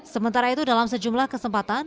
sementara itu dalam sejumlah kesempatan